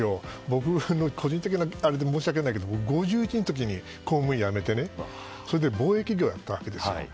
僕、個人的なあれで申し訳ないけど５１の時に公務員を辞めて貿易業をやったわけですよ。